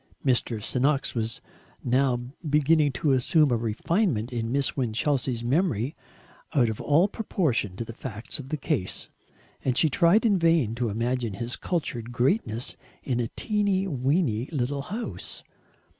Mr. Se'noks was now beginning to assume a refinement in Miss Winchelsea's memory out of all proportion to the facts of the case, and she tried in vain to imagine his cultured greatness in a "teeny weeny" little house.